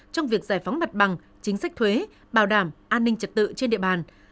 trong việc giải phóng mặt bằng chính sách thuế bảo đảm an ninh trật tự trên địa bàn